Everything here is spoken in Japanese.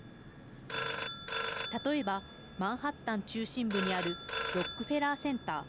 例えばマンハッタン中心部にあるロックフェラーセンター。